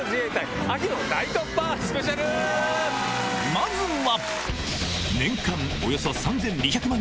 まずは！